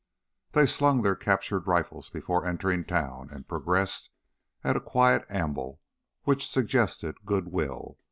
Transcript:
They slung their captured rifles before entering town and progressed at a quiet amble which suggested good will.